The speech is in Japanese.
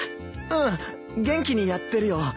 うん元気にやってるよ。